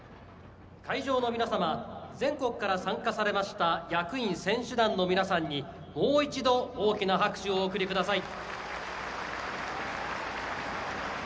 会場の皆様全国から参加されました役員・選手団の皆さんにもう一度大きな拍手をお送りください。